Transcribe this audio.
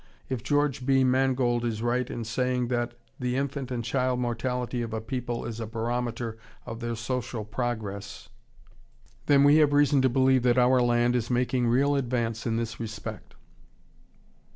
If George B. Mangold is right in saying that "the infant and child mortality of a people is a barometer of their social progress," then we have reason to believe that our land is making real advance in this respect.